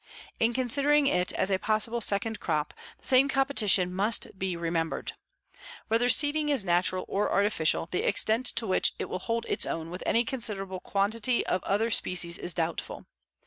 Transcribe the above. In considering it as a possible second crop, the same competition must be remembered. Whether seeding is natural or artificial, the extent to which it will hold its own with any considerable quantity of other species is doubtful.